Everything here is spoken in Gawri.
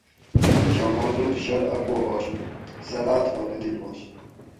ایں میشاں معذور شُل اَ پو آ شو سہ راۤت ہو نہ تِلباںش